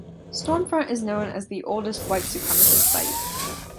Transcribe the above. Stormfront is known as the oldest white supremacist site.